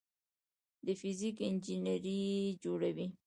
د فزیک انجینري جوړوي.